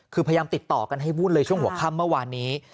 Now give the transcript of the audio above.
คือพยายามติดต่อกันให้วุ่นเลยช่วงหัวค่ำเมื่อวานนี้